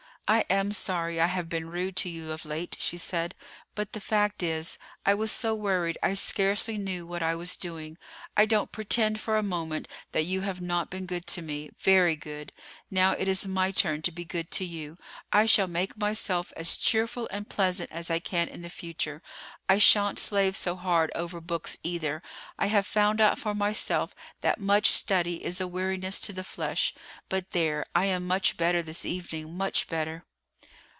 "I am sorry I have been rude to you of late," she said: "but the fact is, I was so worried I scarcely knew what I was doing. I don't pretend for a moment that you have not been good to me, very good; now it is my turn to be good to you. I shall make myself as cheerful and pleasant as I can in the future. I shan't slave so hard over books either. I have found out for myself that much study is a weariness to the flesh. But there, I am much better this evening, much better."